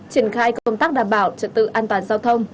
triển khai công tác đảm bảo trật tự an toàn giao thông